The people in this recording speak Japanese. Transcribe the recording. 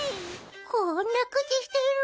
こんな口してる。